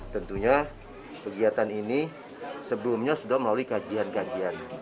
tentunya kegiatan ini sebelumnya sudah melalui kajian kajian